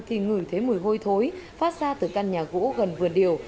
thì ngửi thấy mùi hôi thối phát ra từ căn nhà gỗ gần vườn điều